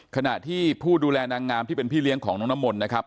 ขณะที่ผู้ดูแลนางงามที่เป็นพี่เลี้ยงของน้องน้ำมนต์นะครับ